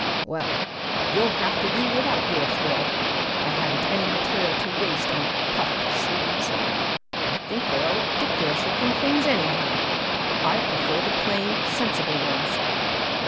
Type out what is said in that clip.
"Well, you'll have to do without your thrill. I hadn't any material to waste on puffed sleeves. I think they are ridiculous looking things anyhow. I prefer the plain, sensible ones."